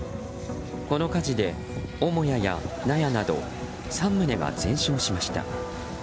この火事で母屋や納屋など３棟が全焼しました。